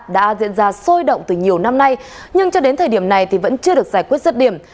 đã diễn ra sôi động từ nhiều năm nay nhưng cho đến thời điểm này thì vẫn chưa được giải quyết rứt điểm